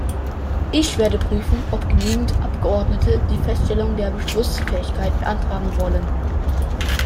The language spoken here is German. Ich werde prüfen, ob genügend Abgeordnete die Feststellung der Beschlussfähigkeit beantragen wollen.